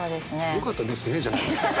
よかったですねじゃないよ。